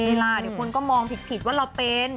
ล่ะเดี๋ยวคนก็มองผิดว่าเราเป็น